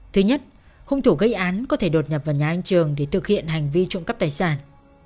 thứ nhất hung thủ gây án có thể đột nhập vào nhà anh trường để thực hiện hành vi trộm cắp tài sản